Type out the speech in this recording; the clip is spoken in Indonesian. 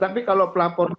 tapi kalau pelapor